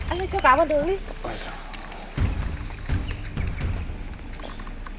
anh ơi cho cá vào đường đi